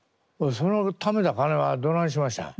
そのためた金はどないしましたん？